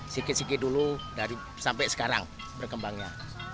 sikit sikit dulu sampai sekarang berkembangnya